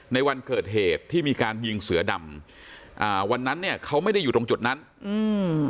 ในวันเกิดเหตุที่มีการยิงเสือดำอ่าวันนั้นเนี้ยเขาไม่ได้อยู่ตรงจุดนั้นอืม